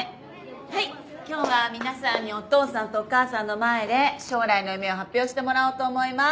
はい今日は皆さんにお父さんとお母さんの前で将来の夢を発表してもらおうと思います。